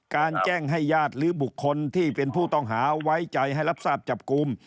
แจ้งให้ญาติหรือบุคคลที่เป็นผู้ต้องหาไว้ใจให้รับทราบจับกลุ่ม